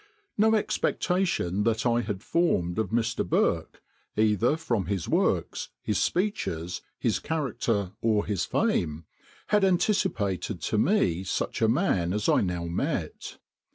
] "No expectation that I had formed of Mr. Burke, either from his works, his speeches, his character, or his fame, had anticipated to me such a man as I now met.